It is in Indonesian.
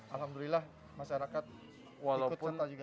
alhamdulillah masyarakat ikut serta juga